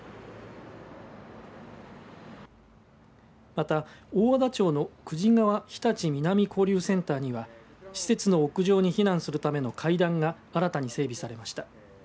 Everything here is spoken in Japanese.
また大和田町の久慈川日立南交流センターには施設の屋上に避難するための階段が新たに整備されました。